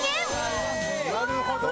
なるほど。